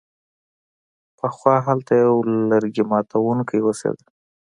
پخوا هلته یو لرګي ماتوونکی اوسیده.